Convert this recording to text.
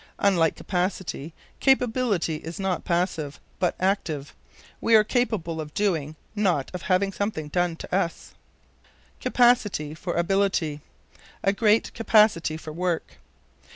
Unlike capacity, capability is not passive, but active. We are capable of doing, not of having something done to us. Capacity for Ability. "A great capacity for work."